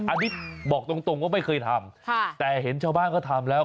อันนี้บอกตรงว่าไม่เคยทำแต่เห็นชาวบ้านเขาทำแล้ว